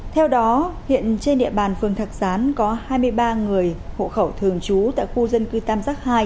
theo đó hiện trên địa bàn phường thạc gián có hai mươi ba người hộ khẩu thường trú tại khu dân cư tam giác ii